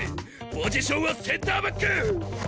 ポジションはセンターバック！